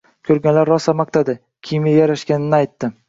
Koʻrganlar rosa maqtadi, kiyimi yarashganini aytdi